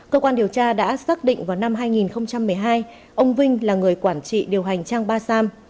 cơ quan điều tra đã xác định vào năm hai nghìn một mươi hai ông vinh là người quản trị điều hành trang ba sam